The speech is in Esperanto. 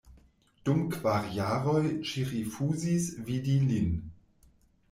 Dum kvar jaroj ŝi rifuzis vidi lin.